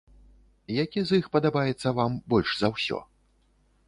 Які з іх падабаецца вам больш за ўсё?